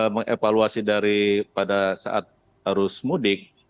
mengevaluasi dari pada saat arus mudik